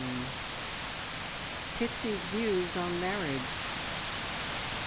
PIXIE'S VIEWS ON MARRIAGE.